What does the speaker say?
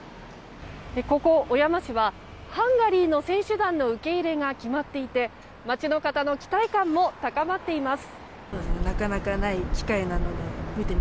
ここ、小山市はハンガリーの選手団の受け入れが決まっていて街の方の期待感も高まっています。